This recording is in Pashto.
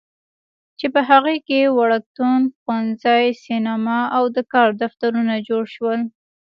چې په هغې کې وړکتون، ښوونځی، سینما او د کار دفترونه جوړ شول.